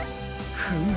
フム。